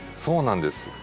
そうなんです。